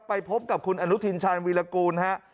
ไปพบกับคุณอนุทรินชายน์วิรกูลครับ